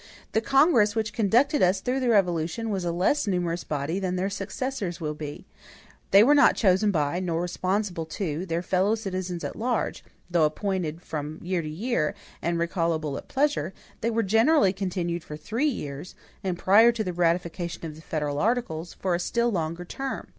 The Congress which conducted us through the Revolution was a less numerous body than their successors will be; they were not chosen by, nor responsible to, their fellowcitizens at large; though appointed from year to year, and recallable at pleasure, they were generally continued for three years, and prior to the ratification of the federal articles, for a still longer term.